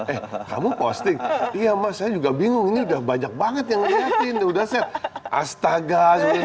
eh kamu posting iya mas saya juga bingung ini udah banyak banget yang ngeliatin udah saya astaga